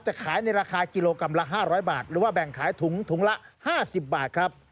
จะขายในราคากิโลกรัมละ๕๐๐บาทหรือว่าแบ่งขายถุงถุงละ๕๐บาทครับ